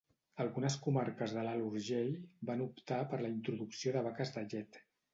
Algunes comarques com l'Alt Urgell van optar per la introducció de vaques de llet.